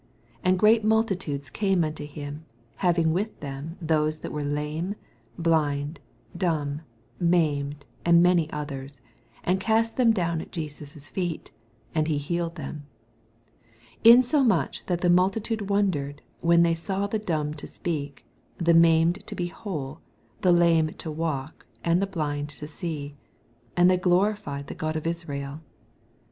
80 And great mnltitades oame onto him, havinff with them thots that wm'e lame, blind, dumb, maimed, and many others, and cast them down at Jeans' feet ; and he healed them : 81 Insomuch that the multitude wondered, when they saw the dumb to speak, the maimea to be whole, the Jame to walk^ and the blind to see : and they glorified the God of Israel.